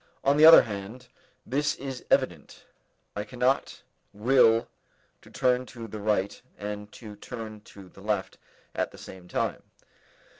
On the other hand, this is evident: I cannot will to turn to the right and to turn to the left at the same time.